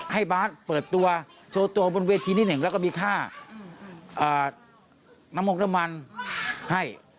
บาสเปิดตัวโชว์ตัวบนเวทีที่หนึ่งแล้วก็มีค่าน้ำมกน้ำมันให้